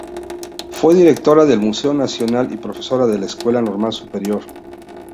Fue Directora del Museo Nacional y profesora de la Escuela Normal Superior.